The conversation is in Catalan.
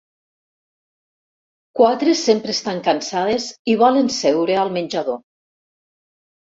Quatre sempre estan cansades i volen seure al menjador.